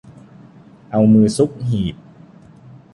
เอามือซุกหีบ